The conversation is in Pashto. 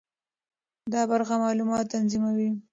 دا برخه معلومات تنظیموي.